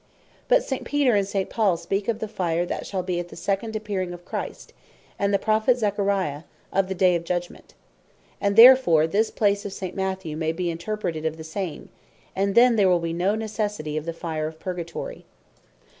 But St. Peter, and St. Paul speak of the Fire that shall be at the Second Appearing of Christ; and the Prophet Zachary of the Day of Judgment: And therefore this place of S. Mat. may be interpreted of the same; and then there will be no necessity of the Fire of Purgatory.